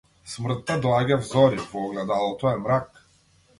Смртта доаѓа взори, во огледалото е мрак.